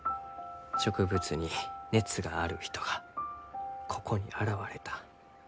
植物に熱がある人がここに現れた。